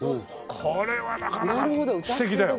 これはなかなか素敵だよ。